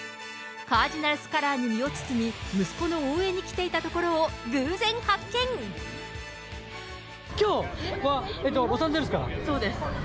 カージナルスカラーに身を包み、息子の応援に来ていたところを偶きょうは、そうです。